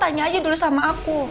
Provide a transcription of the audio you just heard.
tanya aja dulu sama aku